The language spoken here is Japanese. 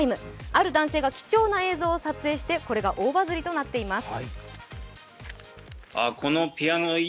ある男性が貴重な映像を撮影して、これが大バズりとなっています。